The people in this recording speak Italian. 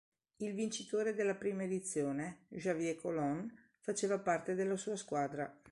Il vincitore della prima edizione, Javier Colon, faceva parte della sua squadra.